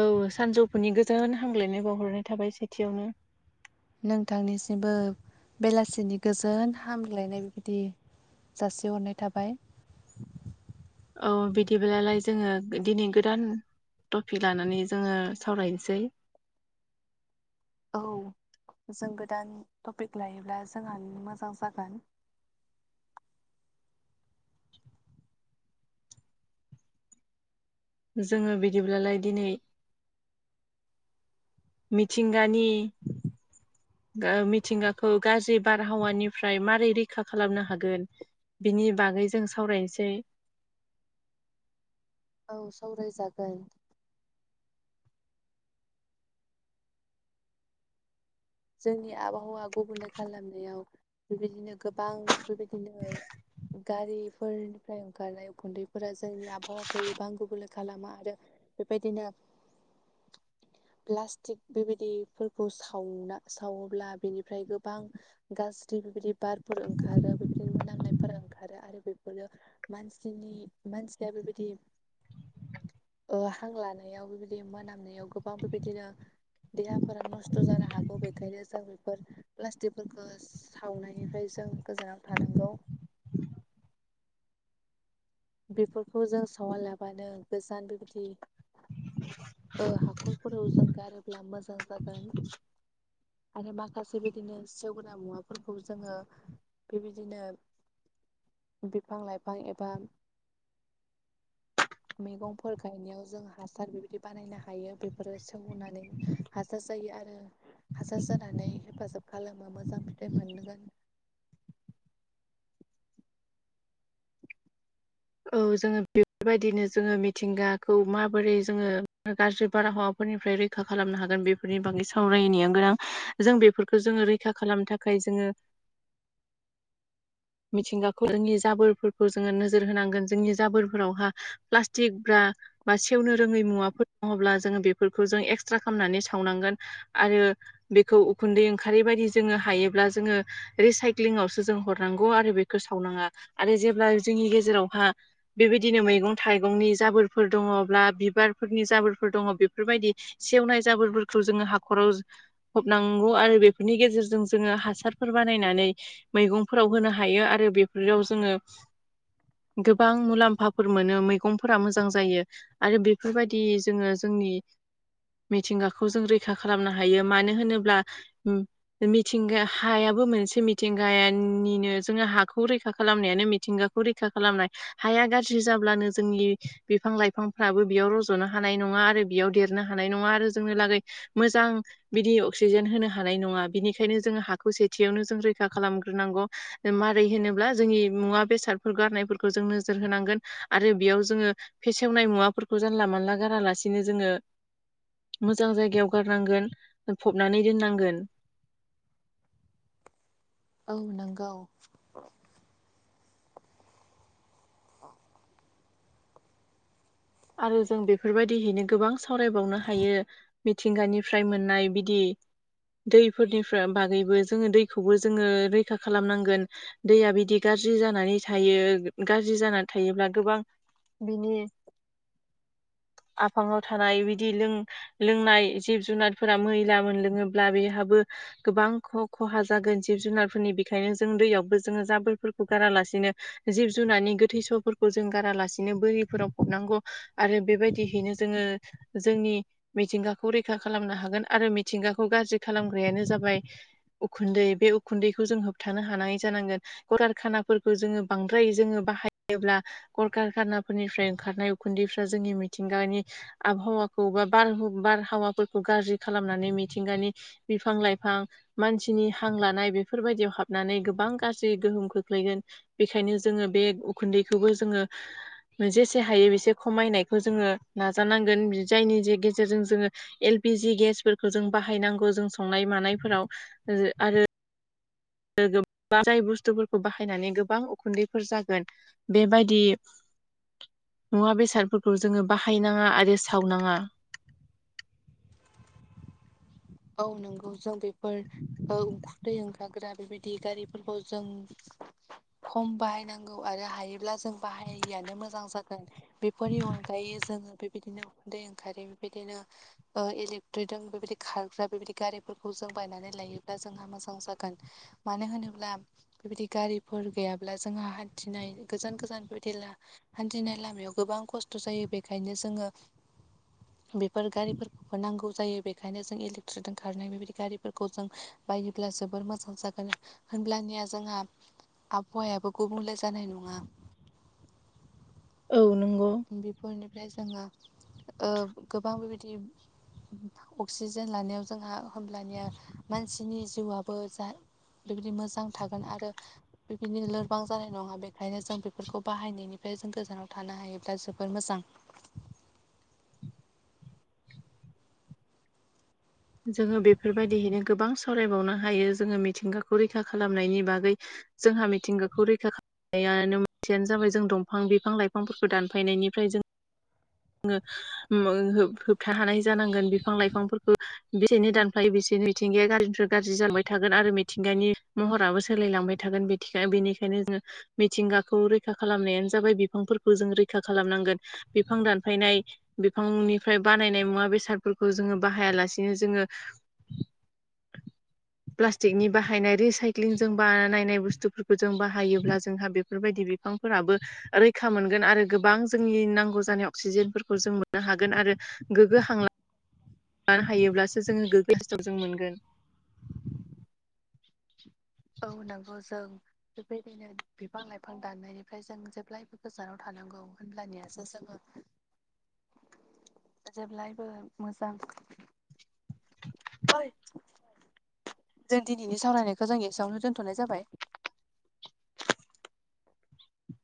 औ सानजौफुनि गोजोन हामग्लायनाय बावहरनाय थाबाय सेथियावनो। नोंथांनिसिमबो बेलासिनि गोजोन हामग्लायनाय बेबायदि जासेहरनाय थाबाय। औ बिदिब्लालाय जोङो गो दिनै गोदान टपिक लानानै जोङो सावरायनोसै। औ जों गोदान टपिक लायोब्ला जोंहानि मोजां जागोन। जोङो बिदिब्लालाय दिनै मिथिंगानि ओ मिथिंगाखौ गाज्रि बारहावानिफ्राय मारै रैखा खालामनो हागोन। बिनि बागै जों सावरायनोसै। [inaudible] औ सावराय जागोन। जोंनि आबहावा गुबुंले खालामनायाव बेबायदिनो गोबां बेबायदिनो गारिफोरनिफ्राय ओंखारनाय उखुन्दैफोरा जोंनि आबहावाखौ गोबां गुबुंले खालामो आरो बेबायदिनो प्लास्टिक बेबायदिफोरखौ सावना। सावोब्ला बेनिफ्राय गोबां गाज्रि बेबिदि बारफोर ओंखारो। बेबायदि मोनामनायफोर ओंखारो आरो बेफोरो मानसिनि मानसिया बेबायदि ओ हां लानायाव बेबिदि मोनामनायाव गोबां बेबायदिनो देहाफोरा नस्थ' जानो हाग गौ बेखायनो जों बेफोर प्लास्टिकफोरखौ सावनायनिफ्राय जों गोजानाव थानांगौ। [inaudible] बेफोरखौ जों सावालाबानो गोजान बेबिदि ओ हाखरफोराव जों गारोब्ला मोजां जागोन। आरो माखासे बिदिनो सेवग्रा मुवाफोरखौ जोङो। बेबायदिनो बिफां लाइफां एबा [inaudible] मैगंफोर गायनायाव जों हासार बेबिदि बानायनो हायो। बेफोरो सेवनानै हासार जायो। आरो हासार जानानै हेफाजाब खालामो मोजां फिथाइ मोनगोन। [inaudible] औ जोङो बेफोरबायदिनो जोङो मिथिंगाखौ माबोरै जोङो गाज्रि बाराहावा फोरनिफ्राय रैखा खालामनो हागोन बेफोरनि बागै सावरायनाया गोनां जों बेफोरखौ जोङो रैखा खालामनो थाखाय जोङो [inaudible] मिथिंगाखौ जोंनि जाबोरफोरखौ जोङो नोजोर होनांगोन जोंनि जाबोरफोरावहा प्लास्टिक बा सेवनो रोङै मुवाफोर दङब्ला जोङो बेफोरखौ जों एक्सट्रा खालामनानै बेखौ उखुन्दै ओंखारारि बायदि जोङो हायोब्ला जोङो रिसाइक्लिंआवसो जों हर नांगौ आरो बेखौ सावनाङा आरो जेब्ला जोंनि गेजेरावहा बेबायदिनो मैगं थाइगंनि जाबोरफोर दङब्ला बिबारफोरनि जाबोरफोर दङ बेफोरबायदि सेवनाय जाबोरफोरखौ जोङो हाखराव फबनांगौ आरो बेफोरनि गेजेरजों जोङो हासारफोर बानायनानै मैगं फोराव होनो हायो आरो बेफोराव जोङो गोबां मुलाम्फाफोर मोनो मैगंफोरा मोजां जायो आरो बेफोरबायदि जोङो जों नि मिथिंगाखौ जों रैखा खालामनो हायो मानो होनोब्ला मिथिंगा हायाबो मोनसे मिथिंगाया [inaudible] जोङो हाखौ रैखा खालामनायानो मिथिंगाखौ रैखा खालामनाय हाया गाज्रि जाब्लानो जोंनि बिफां लाइफांफ्राबो बेयाव रज'नो हानाय नङा आरो बेयाव देरनो हानाय नङा आरो जोंनि लागै मोजां बिदि अक्सिजेन होनो हानाय नङा बिनिखायनो जोङो हाखौ सेथियावनो जों रैखा खालाम ग्रोनांगौ मारै होनोब्ला जोंनि मुबा बेसादफोर गारनाय फोरखौ जों नोजोर होनांगोन आरो बियाव जोङो फेसेवनाय मुवाफोरखौ जानला मानला गारालासिनो जोङो मोजां जायगायाव गारनांगोन फबनानै दोननांगोन। [inaudible] नोंगौ आरो जों बेफोरबायदिहैनो गोबां सावरायबावनो हायो मिथिंगानिफ्राय मोननाय बिदि दैफोरनि फ्रा बागैबो जोङो दैखौबो जोङो रैखा खालामनांगोन दैया बिदि गा ज्रि जानानै थायो गाज्रि जानानै थायोब्ला गोबां बिनि [inaudible] आफाङाव थानाय बिदि लों लोंनाय जिब जुनारफोरा मैला मोनलोङोब्ला बे हाबो गोबां ख-खहा जागोन जिब जुनारफोरनि बेखायनो जों दैयावबो जोङो जाबोरफोरखौ गारा लासिनो जिब जुनारनि गोथै सहफोरखौ जों गारालासिनो बोरिफोराव फबनांगौ आरो बेबायदिहैनो जोङो जोंनि मिथिंगाखौ रैखा खालामनो हागोन आ रो मिथिंगाखौ गाज्रि खालामग्रायानो जाबाय उखुन्दै बे उखुन्दैखौ जों होबथानो हानाय जानां गोन करखानाफोरखौ जोङो बांद्राय जोङो बाहायोब्ला ककारखानाफोरनिफ्राय ओंखारनाय उखुन्दैफ्रा जोंनि मिथिंगानि आबहावाखौ बा बार बारहावाफोरखौ गाज्रि खालाम नानै मिथिंगानि बिफां लाइफां मानसिनि हां लानाय बेफोरबायदियाव हाबनानै गोबां गाज्रि गोहोम खोख्लैगोन बेनिखायनो जोङो बे उखुन्दैखौबो जोङो जेसे हायो बेसे खमायनायखौ जोङो नाजानांगोन बि‌ जायनि ज गेजेरजों जोङो एल पि जि गेस फोरखौ जों बाहायनांगौ जों संनाय मानायफोराव आरो गोबां जाय बुस्थुफोरखौ बाहायनानै गोबां उखुन्दैफोर जागोन बेबायदि [inaudible] मुवा बेसादफोरखौ जोङो बाहायनाङा आरो सावनाङा। [inaudible] औ नंगौ जों बेफोर ओ उखुन्दैै ओंखारग्रा बेबायदि गारिफोरखौ जों [inaudible] खम बाहायनांगौ आरो हायोब्ला जों बाहायियानो मोजां जागोन बेफोरनि अनगायै जोङो बेबायदिनो उखुन्दै ओंखारै बेबायदिनो ओ इलेक्ट्रिदों बेबायदि खार ग्रा बेबायदि गारिफोरखौ जों बायनानै लायोब्ला जोंहा मोजां जागोन मानो होनोब्ला बेबायदि गारिफोर गैयाब्ला जोंहा हान्थिनाय गोजान गोजान बेदि हान्थिनाय लामायाव गोबां खस्थ' जायो बेखायनो जोङो बेफोर गारिफोरखौबो नांगौ जायो बेनिखायनो जों इलेक ट्रिदों खारनाय बेबायदि गारिफोरखौ जों बायोब्ला जोबोर मोजां जागोन, होनब्लानिया जोंहा आबहावायाबो गुबुंले जानाय नङा। औ नंगौ बेफोरनिफ्राय जोङो ओ गोबां बेबायदि अक्सिजेन लानायाव जोंहा होमब्लानिया मानसिनि जिउआबो जा बेबायदि मोजां थागोन आरो बेबायदिनो लोरबां जानाय नङा बेखायनो जों बेफोरखौ बाहायनायनिफ्राय जों गोजानाव थानो हायो दा जोबोर मोजां। जोङो बेफोरबायदिहैनो गोबां सावरायबावनो हायो जोङो मिथिंगाखौ रैखा खालामनायनि बागै जोंहा मिथिंगाखौ रैखा खा नायानो मोनसेयानो जाबाय जों दंफां बिफां - लाइफांफोरखौ दानफायनायनिफ्राय जों ङो मो हो- होबथा हानाय जानांगोन बिफां लाइफांफोरखौ बेसेनो दानफायो बिसेनो मिथिंगाया गाज्रिनिफ्राय गाज्रि जांबाय थागोन आरो मिथिंगानि महराबो सोलायलांबाय था गोन बिथिखाय- बेनिखायनो जो मिथिंगाखौ रैखा खालामनायानो जाबाय बिफांफोरखौ जों रैखा खालामनां गोन। बिफां दानफायनाय बिफांनिफ्राय बानायनाय मुवा बेसादफोरखौ जोङो बाहाया लास एनो जोङो [inaudible] प्लास्टिकनि बाहायनाय रिसाइक्लिंजों बानायनाय बुस्थुफोरखौ जों बाहायोब्ला जोंहा बेफोरबायदि बि फांफोराबो रैखा मोनगोन आरो गोबां जोंनि नांगौ जानाय अक्सिजेनफोरखौ जों मोननो हागोन। आरो गोगो हांला [inaudible] आनो हायोब्लासो जोङो गो [unintelligible] जों मोनगोन। [inaudible] औ नंगौ जों बेबायदिनो बिफां-लाइफां दाननायनिफ्राय जों जेब्लायबो गोजानाव थानां गौ। होनब्लानियासो जोङो जेब्लायबो मोजां ओइ जों दिनैनि सावरायनायखौ जों एसेयावनो दोनथ'नाय जाबाय।